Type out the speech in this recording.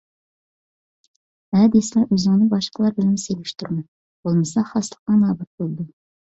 ھە دېسىلا ئۆزۈڭنى باشقىلار بىلەن سېلىشتۇرما، بولمىسا خاسلىقىڭ نابۇت بولىدۇ.